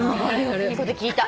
いいこと聞いた。